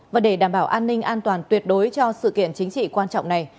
và để đảm bảo an ninh an toàn tuyệt đối cho sự kiện chính trị quan trọng này